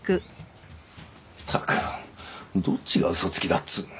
ったくどっちが嘘つきだっつうの。